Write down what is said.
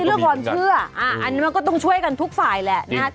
อันนี้เรื่องความเชื่ออันนั้นก็ต้องช่วยกันทุกฝ่ายแหละนะ